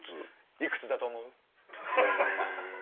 いくつだと思う？え。